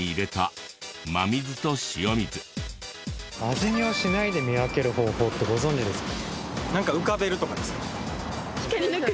味見をしないで見分ける方法ってご存じですか？